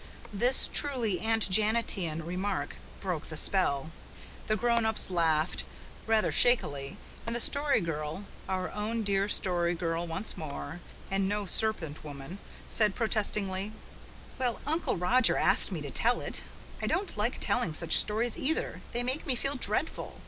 This truly Aunt Janetian remark broke the spell. The grown ups laughed, rather shakily, and the Story Girl our own dear Story Girl once more, and no Serpent Woman said protestingly, "Well, Uncle Roger asked me to tell it. I don't like telling such stories either. They make me feel dreadful.